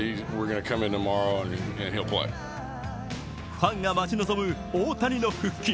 ファンが待ち望む大谷の復帰。